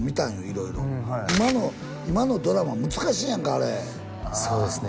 色々今のドラマ難しいやんかあれそうですね